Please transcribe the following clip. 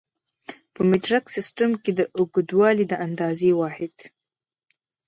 په مټریک سیسټم کې د اوږدوالي د اندازې واحد